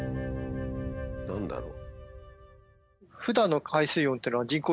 何だろう？